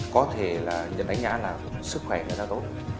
có thể là nhận đánh giá là sức khỏe người ta tốt